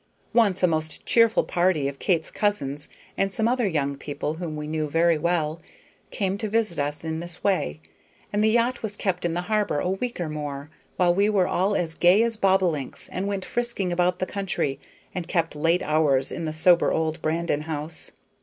Once a most cheerful party of Kate's cousins and some other young people whom we knew very well came to visit us in this way, and the yacht was kept in the harbor a week or more, while we were all as gay as bobolinks and went frisking about the country, and kept late hours in the sober old Brandon house.